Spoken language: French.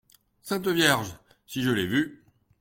Sainte Vierge ! si je l’ai vu ?…